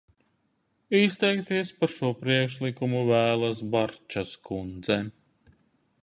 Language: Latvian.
Izteikties par šo priekšlikumu vēlas Barčas kundze.